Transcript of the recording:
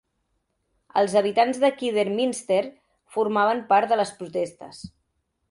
Els habitants de Kidderminster formaven part de les protestes.